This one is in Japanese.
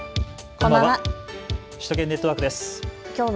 こんばんは。